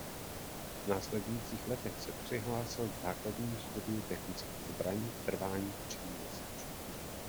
V následujících letech se přihlásil k základnímu studiu technických zbraní v trvání tří měsíců.